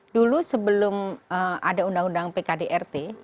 dulu sebelum ada undang undang pkdrt